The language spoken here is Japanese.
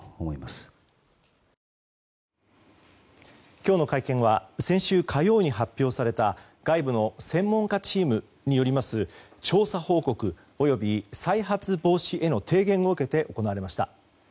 今日の会見は先週火曜に発表された外部の専門家チームによる調査報告及び再発防止への提言を受けて行われました。